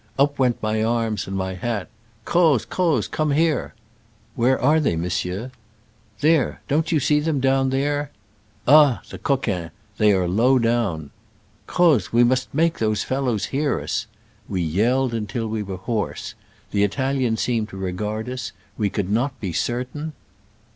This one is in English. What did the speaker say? Up went my arms and my hat. " Croz ! Croz ! come here!" "Where are they, mon sieur?" "There — don't you see them down there ?"" Ah ! the coquins I they are low down." " Croz, we must make those fellows hear us." We yelled until we were hoarse. The Italians seemed to regard us — we could not be certain.